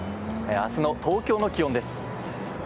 明日の東京の気温です。